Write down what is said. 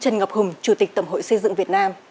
trần ngọc hùng chủ tịch tổng hội xây dựng việt nam